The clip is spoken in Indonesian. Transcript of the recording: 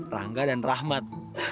rangga dan rahmat